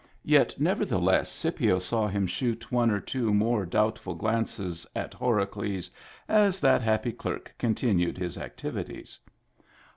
Yet nevertheless Scipio saw him shoot one or two more doubtful glances at Horacles as that happy clerk contin ued his activities.